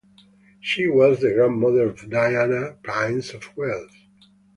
She was the grandmother of Diana, Princess of Wales.